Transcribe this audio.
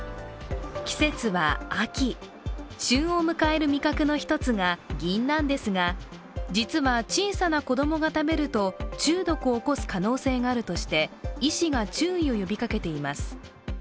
季節は秋、旬を迎える味覚の一つがぎんなんですが実は小さな子供が食べると中毒を起こす可能性があるとして医師が注意を呼びかけています。